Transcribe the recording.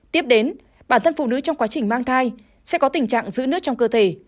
tiếp đến bản thân phụ nữ trong quá trình mang thai sẽ có tình trạng giữ nước trong cơ thể